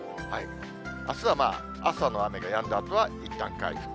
あすは朝の雨がやんだあとはいったん回復。